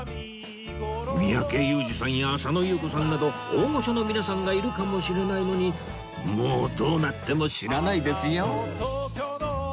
三宅裕司さんや浅野ゆう子さんなど大御所の皆さんがいるかもしれないのにもうどうなっても知らないですよ！